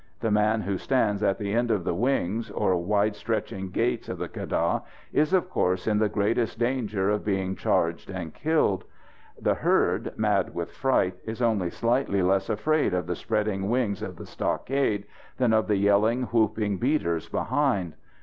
The man who stands at the end of the wings, or wide stretching gates, of the keddah is of course in the greatest danger of being charged and killed. The herd, mad with fright, is only slightly less afraid of the spreading wings of the stockade than of the yelling, whooping beaters behind.